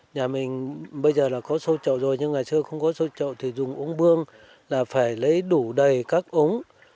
nhà mình bây giờ là có sâu chậu rồi nhưng ngày xưa không có sâu chậu thì dùng uống bương là phải lấy đủ đầy các uống